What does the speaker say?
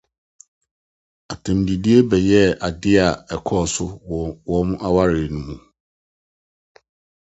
Atɛnnidi bɛyɛɛ ade a ɛkɔɔ so wɔ wɔn aware no mu.